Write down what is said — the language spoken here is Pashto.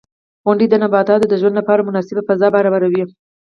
• غونډۍ د نباتاتو د ژوند لپاره مناسبه فضا برابروي.